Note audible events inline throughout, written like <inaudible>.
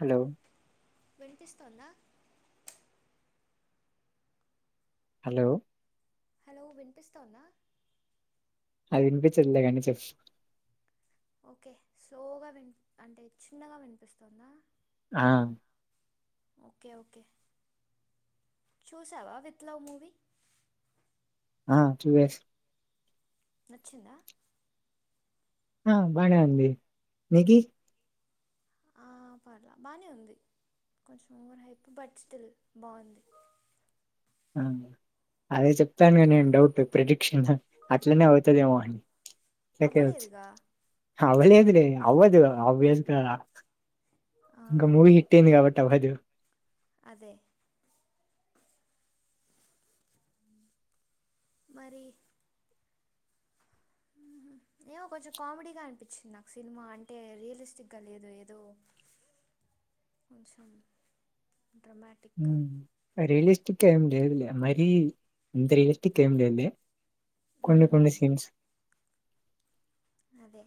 Hello న్పిస్తోందా hello hello వినిపిస్తోందా ఆ వినిపించట్లే గాని చెప్ ఓకే స్లోగా వినిప్ అంటే చిన్నగా వినిపిస్తోందా ఆ ఓకే ఓకే చూసావా విత్లవ్ మూవీ ఆ చూయేస్ నచ్చిందా ఆ బానే ఉంది నీకీ? ఆ పర్ల బానే ఉంది కొంచం ఓవర్ హైపు బట్ స్టిల్ బావుంది ఆ అదే చెప్తానా నేను డౌట్ ప్రిడిక్షన్ అట్లనే అవుతదేమో అని అవ్వలేదుగా అవ్వలేదు లే అవ్వదు ఆభ్యస్గా ఆ, ఇంకా మూవీ హిట్ అయింది కాబట్ <unintelligible> అదే మరి ఏమో కొంచెం కామెడీగా అనిపించింది నాకు సినిమా అంటే రియలిస్టిక్గా లేదు ఏదో కొంచెం డ్రమాటిక్గా ఉమ్ రియలిస్టిక్ గా ఎమ్ లేదులే మరి ఎంత రియల్టీక్ ఏం లేదులే కొన్ని మ్మ్, కొన్ని సీన్స్ అదే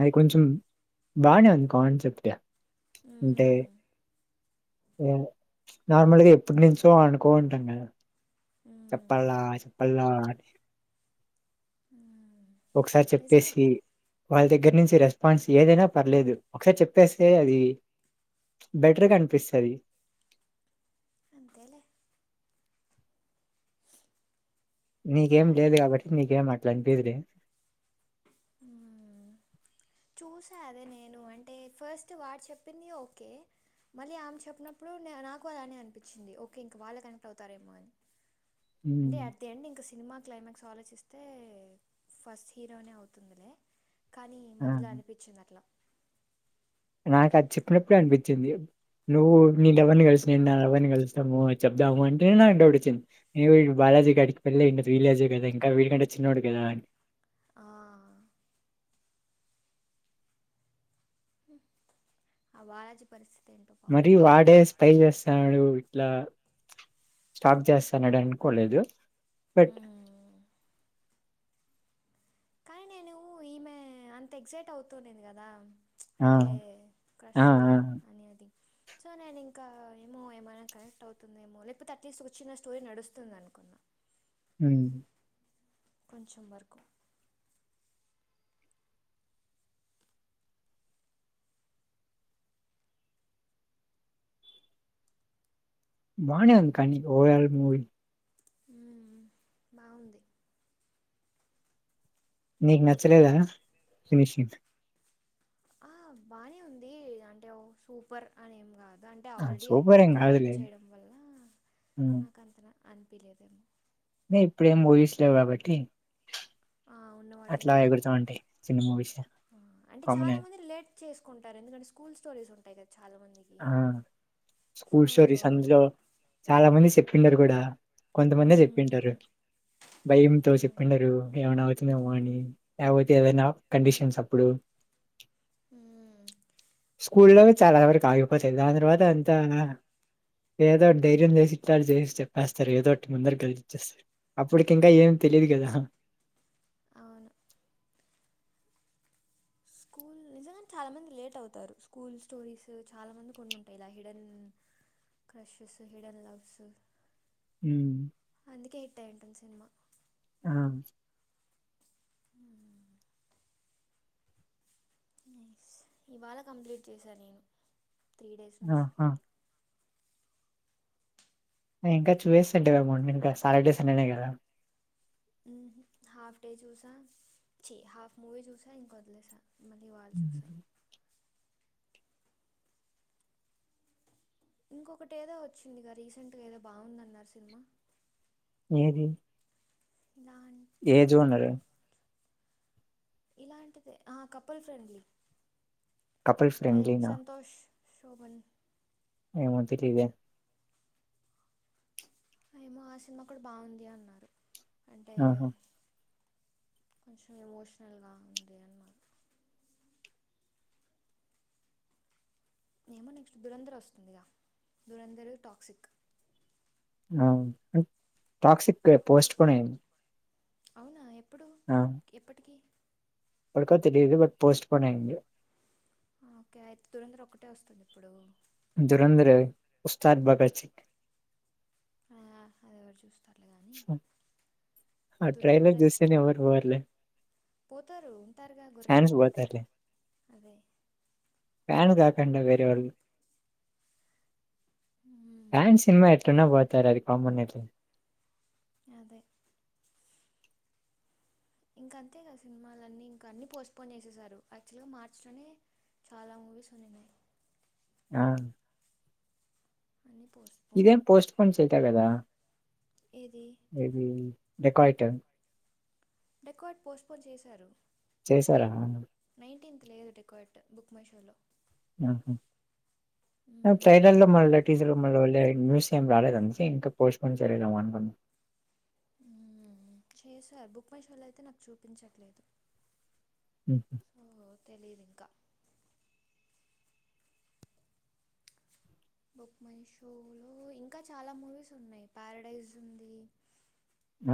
అధి కొంచెం బానేంది కాన్సెప్ట్ అంటే మ్మ్, లేడు నార్మల్ గా ఎప్పుటి నుంచో అనుకోంటా కదా మ్మ్, చెప్పల్ చెప్పల్ అ మ్మ్. ఒకసారి నిజమే చెప్పేసి వాళ్ళ దగ్గర నుంచి రెస్పాన్స్ ఏదైనా పర్లేదు ఒకసారి చెప్పేస్తే అది బెటర్ గా అనిపిస్తుది అంతేలే నీకేం లేదు కాబట్టి నీకేం అట్లా అనిపియ్యదులే ఉమ్ చూసాను అదే నేను అంటే ఫస్ట్ వాడు చెప్పింది ఓకే మళ్ళీ ఆమె చెప్పినప్పుడు నాకు అలానే అనిపించింది ఓకే ఇంక వాళ్ళే కనెక్ట్ అవుతారేమో అని అంటే హ్మ్. అట్ ది ఎండ్ ఇంకా సినిమా క్లైమాక్స్ ఆలోచిస్తే ఫస్ట్ హీరోనే అవుతుంది లే. కాని ఆ! ఇట్లా అనిపిచ్చింది అట్లా నాక్ అది చెప్పినప్పుడే అనిపిచ్చింది. నువ్వు నీ లవర్ ని కలిసి నేన్ నా లవర్ నీ కలుస్తమూ చెప్దాము అంటేనే నాకు డౌట్ ఒచ్చింది. ఇగ వీడు బాలాజీ గాడికి పెళ్లై ఉండద్ వీళ్ల ఏజ్ ఏ కదా ఇంకా వీడి కంటే చిన్నోడు కదా అని. ఆ ఆ బాలాజీ పరిస్థి మరీ వాడే స్పై చేస్తానడూ. ఇట్లా స్టాప్ చేస్తనడు అనుకోలేదు. బట్ హ్మ్. కానీ నేనూ ఈమే అంత ఎగ్జైట్ అవుతూ ఉండింది కదా. ఆ! అంటే క్రష ఆ! ఆ! అనేది. సో నేను ఇంకా ఏమో ఏమైనా కనెక్ట్ అవుతుందేమో లేకపోతే అట్లీస్ట్ ఒక చిన్న స్టోరీ నడుస్తుంది అనుకున్నా. హ్ము కొంచెం వరకు బాగనే ఉంది కానీ ఓవరాల్ మూవీ. ఊహు బాగుంది. నీకు నచ్చలేదా, ఫినిషింగ్. ఆ బానే ఉందీ అంటే ఓ సూపర్ అని ఏం కాద్ అంటే ఆ ఆల్రెడీ సూపర్ ఏం ఎక్కువ కాదులే హైప్ చేయడం వల్లా నాకు అంతలా అన్పీలేదేమో. నీ ప్రేమ్ మూవీస్ లో కాబట్టి. ఆ ఉన్న అట్లా వాటిలో. ఎగురుతా ఉంటాయి చిన్న మూవీస్ హ అంటే చాలా కామనే మంది రీలేట్ చేసుకుంటారు ఎందుకంటే స్కూల్ స్టోరీస్ ఉంటాయి కద్ ఆ సో స్కూల్ స్టోరీస్ అందులో చాలా మంది చెప్ పిల్లలు గూడా కొంతమందే చెప్పింటరు. భయంతో అవును చెప్పుండరూ ఏమైనా అవుతుందేమో అనీ. లేకపోతే ఏదైనా కండిషన్స్ అప్పుడు. హ్మ్హు ఊర్లో చాలా వరకు కాయవ్ పోతయి. దాని తర్వాత అంతా ఏదో ఒకటి ధైర్యం చేసి ఇట్లా చేసి చెప్పేస్తారు. ఏదో ఒకటి ముందరికి కదిలి ఇచ్చేస్తారు. అప్పటికి ఇంకా ఏం తెలీదు గదా. అవును స్కూల్ నిజంగానే చాలా మంది లేట్ అవుతారు. స్కూల్ స్టోరీస్ చాలా మంది ఉండి ఉంటాయి. ఇలా హిడెన్ క్రషెస్, హిడెన్ లవ్సు. హుమ్ కే హిట్ అయివుంటుంది సినిమా. ఆవును ఇవాళ కంప్లీట్ చేశా నేను. త్రీడేస్ ఆ నుంచి. ఆ ఇంకా <unintelligible> ఎమౌంట్ ఇంకా సాటర్డే సండేనే కదా. ఊహు హాఫ్ డే చూసా, చీ హాఫ్ మూవీ చూసా ఇంక వదిలేసా. మళ్ళీ ఇవాళ చూసా. ఉమ్. ఇంకొకటి ఏదో వచ్చిందిగ రీసెంట్గాఏదో బాగుందన్నారు సినిమా ఏది ఏ ఇలాంటిది జోనరు కాదు ఇలాంటిదే ఆ కపుల్ ఫ్రెండ్లీ కపుల్ అదే ప్రెండ్లీ నా సంతోష్ శోభన్ ఏం అనిపిట్లేదే ఏమో ఆ సినిమా కూడా బావుంది అన్నారు. అంటే ఆహా కొంచెం ఎమోషనల్ గా ఉంది అన్నారు. ఏమో నెక్స్ట్ దురంధర్ వస్తుందిగా దురంధరు టాక్సిక్ ఆ టాక్సిక్ పోస్టుపోన్ అయింది. అవునా ఎప్ ప్పుడు ఎప్పటికీ ప్పుడుకో తెలీదు బట్ పోస్ట్ పోన్ అయ్యింది ఒకే అయితే దురంధర్ ఒక్కటే వస్తుంది ఇప్పుడు ధురంధరు ఉస్తాద్ భగత్సిక్ ఆ అది ఎవరు చూస్తా ఆ ట్రైలర్ దురంధర్ అయితే చూస్తేనే ఎవరు పోవట్లే పోతారు ఉంటారుగా గొర్రెలు చాన్స్ పోతట్లే అదే ఫ్యాన్ కాకుండా వేరేవొల్ మ్మ్. మేం సినిమా ఎట్లున్నా పో తర్ అది కామన్ మ్యాటరె అదే ఇంకా అంతే కదా సినిమాలన్నీ ఇంకా అన్ని పోస్టుపోన్ చేసేసారు. యాక్చువల్గా మార్చిలోనే చాలా మూవీస్ ఉన్నీనాయి ఆ అన్నీ పోస్ట్పోన్డ్ ఇదేం పోస్టుపోన్ చేయలా కదా ఏది ఏది. డెకయిట్ డెకయిట్ పోస్టుఫోన్ చేశారు చేసారా నై నైన్త్ లేదు డెకయిట్ బుక్ మై షోలో ఉ మ్మ్. ట్రైలర్లు మల్ల టీీజర్లు మల్ల <unintelligible> న్యూస్ ఏం రాలేదనేసి ఇంకా పోస్టుఫోన్ చేయలేదు ఏమో అనుకున్న ఉమ్ చేశారు, బుక్ మై షోలో అయితే నాకు చూపించట్లేదు. హ్మ్. ఓ తెలిదు ఇంకా, బుక్ మై షోలో ఇంకా చాలా మూవీస్ ఉన్నాయి. ప్యారడైజ్ ఉంది.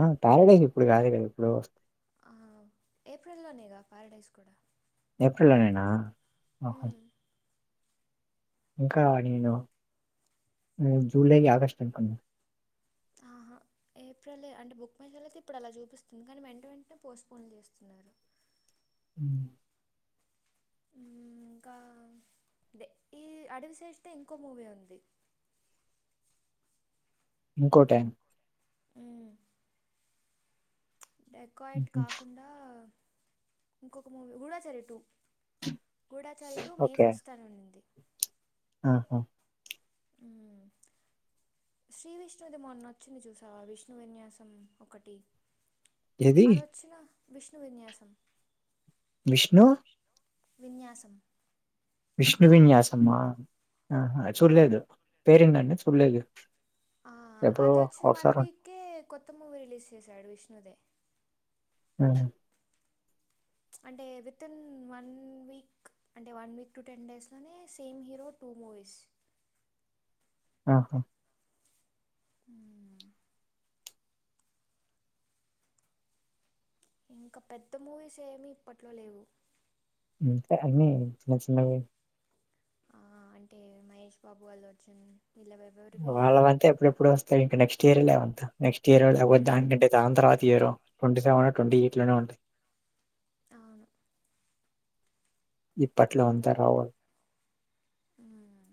ఆ ప్యారడైజ్ ఇప్పుడు కాదు కదా ఎప్పుడో వస్ ఆ ఏప్రిల్లోనేగా ప్యారడైజ్ కూడా, ఏప్రిల్లోనేనా <unintelligible> మ్మ్. ఇంకా నేను జూలై ఆగస్టు అనుకున్నా. ఆహా ఏప్రిల్ అంటే బుక్ మై షోలో అయితే ఇప్పుడు అలా చూపిస్తుంది కానీ వెంట వెంటనే పోస్ట్పోన్ చేస్తున్నారు <unintelligible> ఇంకో టైం, డెకాయిట్ కాకుండా, ఇంకొక మూవీ కూడా చారి two Goodachari two May okay first అనుంది ఆహా శ్రీ విష్ణుది మొన్న వచ్చింది చూసావా విష్ణు విన్యాసం ఒకటి ఏది అది వచ్చినా విష్ణు విన్యాసం విష్ణు విన్యాసం విష్ణు విన్యాసమా ఆహా ఆ, చూలేదు పేరేంటండి చులేదు ఆ అదిచ్చిన వన్ వీక్ కొత్త మూవీ రిలీజ్ చేసాడు విష్ణుదే ఆ అంటే విత్ ఇన్ వన్ వీక్ అంటే వన్ వీక్ టు టెన్ డేస్లోనే సేమ్ హీరో టూ మూవీస్ ఆహ్ హ్మ్ ఇంకా పెద్ద మూవీస్ ఏమి ఇప్పట్లో లేవు అంతే అన్ని చిన్న చిన్నవి ఆ అంటే మహేష్ బాబు వాళ్ళొచిన్ వల్లవంతే ఎప్పుడెప్పుడో వస్తాయి ఇంకా నెక్స్ట్ కేరళంతా నెక్స్ట్ ఇయరో లే మ్మ్ వడ్డంతే దాని తర్వాత ఇయరో ట్వంటీసెవెన్ ట్వంటీఎయిట్లోనే ఉంటుంది అవును ఇప్పట్లో అంతా <unintelligible> ఉమ్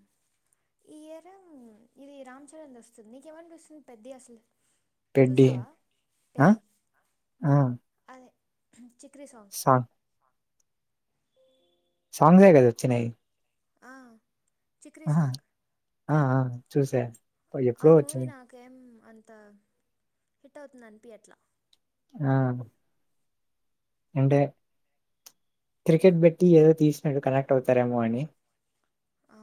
ఈ ఇయర్ ఇది రామ్ చరణ్ దోస్తుంది నీకేమనిపిస్తుంది పెద్ది అసలు పెడ్డి చూసావా ఆ పెద్ది ఆ అదే <unintelligible> చిక్రి సాంగ్ సాంగె గదా వచ్చినయ్ అ చిక్రి సాంగ్ ఆ ఆ చూసా ఆ ఎప్పుడో మూవీ వచ్చింది నాకేమ్ అంత హిట్ అవుతుందన్పీయట్ల ఆ అంటే క్రికెట్ బట్టి ఏదో తీసినట్టు కనెక్ట్ అవుతారేమో అని ఆ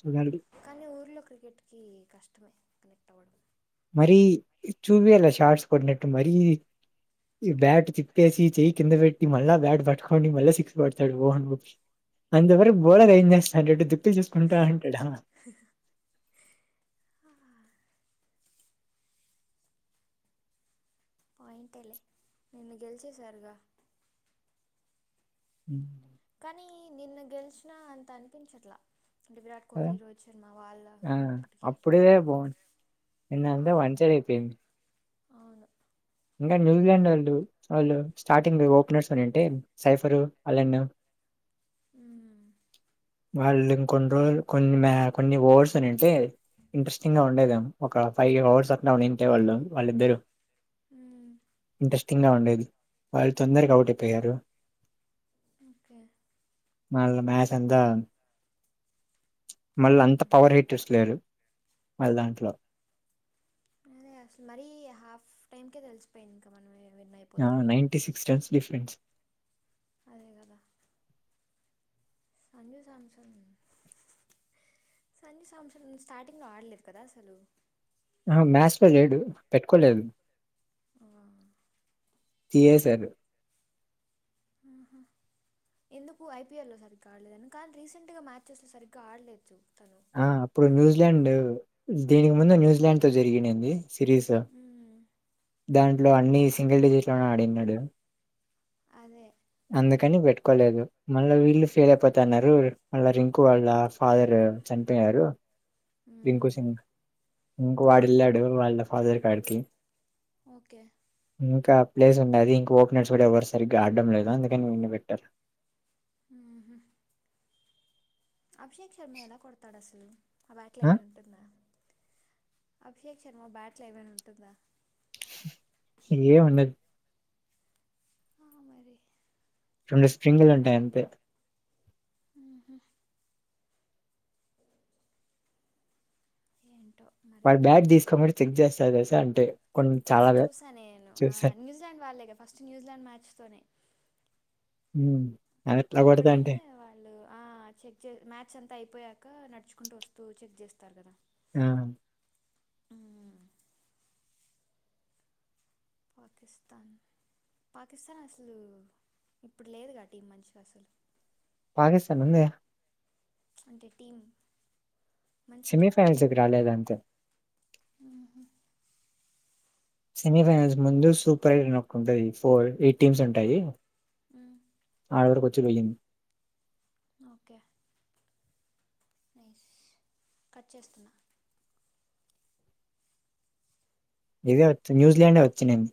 చూడాలి కనీ ఊర్లో క్రికెట్కి కష్టమే కనెక్ట్ అవ్వడం. మరీ చూపియాల షార్ట్స్ కొట్టినట్టు మరీ ఈ బ్యాట్ తిప్పేసి చెయ్యి కింద పెట్టి మళ్ళా బ్యాట్ పట్టుకోండి మళ్ళా సిక్స్ కొడతాడు ఓవర్ గా అయనిది ఎవరు బోలర్ అయ్యిందని తి చేసుకుంటా ఉంటడా ఆ పాయింటేలే నిన్ గెలిచేసారుగా ఉమ్ కానీ నిన్న గెలిచిన అంత అనిపించట్ల అంటే విరాట్ కదా కోహ్లీ, రోహిత్ శర్మ ఆ వాళ్ళున్నాపటికి అప్పుడే బాగుంది ఆ నిన్నంతా హ వన్ సైడ్ అయిపోయింది అవును ఇంకా న్యూజిలాండోళ్ళు వాళ్ళు స్టార్టింగ్ ఓపెనర్సుండుంటే సైఫరు అలను ఉమ్ వాళ్ళు ఇంకొందర్ కొన్ని మ్యా కొన్ని ఓవర్స్ ఉంటే ఇంట్రెస్టింగ్గా ఉండేదేమో ఒక ఫైవ్ అవర్స్ అట్ల ఉంటే వాళ్ళు వాళ్ళిద్దరూ మ్మ్ డస్ట్ గా ఉండేది వాళ్ళు తొందరగా అవుట్ అయిపోయారు. ఓకే మళ్ళ మ్యాచ్ అంతా <unintelligible> మళ్ళంతా మ్మ్ పవర్ హిటర్స్ లేరు. మళ్ళ దాంట్లో అదే అసలు మరీ హాఫ్ టైమ్కే తెలిసిపోయింది ఇంకా మనం విన్ ఆ అయిపోతామని నైటీసిక్స్ టైమ్స్ డిఫరెంట్స్ అదే కదా సంజూ సామ్సంగ్ సంజూ సాంసంగ్ సాటింగ్లో ఆడలేదు కదా అసలు ఆ మ్యాచ్లో లేడు పెట్టుకోలేదు. ఆ తీసేసారు. ఆహా ఎందుకు ఐపీఎల్ లో సరిగ్గా ఆడలేదని కానీ రీసెంట్గా మ్యాచెస్ లో సరిగ్గా ఆడలేదు చూడు త ఆ అప్పుడు న్యూజిలాండ్ దీనికి ముందు న్యూజిలాండ్ తో జరిగినంది సిరీస్ మ్మ్. దాంట్లో అన్ని సింగిల్ డిజిట్ లోనే ఆడినాడు అదే కాని పెట్టుకోలేదు మళ్ళ వీళ్ళు ఫెయిల్ అయిపోతన్నారు మళ్ళ రింకు వాళ్ళ ఫాదర్ చనిపోయారు. ఇంకో మ్మ్. సిం ఇంకో వాడు వెళ్ళాడు ఓకే వాళ్ళ ఫాదర్ కాడి ఓకే ఓకే ఇంకా ప్లేస్ ఉంన్నది ఇంక ఓపెన్ర్స్ కూడా ఎవరు సరిగ్గా ఆడడం లేదు అందుకని మిమల్లి పెట్టారు. హు హు అభిషేక్ శర్మ ఎలా కొడుతాడ స్ హ్మ్ అ వ్యాట్లే ఆ ఏమైనా ఉంటుందా అభిషేక్ శర్మ బ్యాట్లేమైనా ఉంటుందా ఏం ఉండదు ఆ మరి రెండు స్ప్రింగులు ఉంటాయి అంతే హ్మ్ హు ఏంటో మరి వాళ్ళ బ్యాగ్ తీసుకోని మరి చెక్ చేస్తారు తెలుసా అంటే కొన్ని ఆ చాలా చూసాను నేను చూసాను న్యూజిలాండ్ వాళ్ళేగా ఫస్ట్ న్యూజిలాండ్ మ్యాచ్ తోనే మ్మ్ అప్పుడైనే వాళ్ళు ఆ చెక్ చే మ్యాచ్ అంతా అయిపోయా ఇంకా నడుచుకుంటూ వస్తూ చెక్ చేస్తారు కదా ఆ ఆ పాకిస్తాన్ పాకిస్తాన్ అసలు ఇప్పుడు లేదు గా టీం మంచిగా అసలు పాకిస్తాన్ ఉందే అంటే టీమ్ సెమీఫైనల్స్ కి రాలేదు అంతే సెమీఫైనల్స్ ముందు సూపర్ ఎయిట్ అని ఒక ఉంటుంది ఫోర్ ఎయిట్ టీమ్స్ ఉంటాయి హ్మ్ ఆడవరకు వచి పోయింది ఓకే ఎస్ కట్ చేస్తున్న ఇదే చ్ న్యూల్యాండ్డ్ ఏ వచ్చినుంది